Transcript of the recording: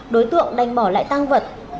đối tượng đành bỏ lại tăng vật